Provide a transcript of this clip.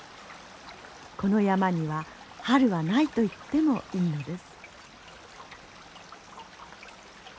この山には春はないといってもいいのです。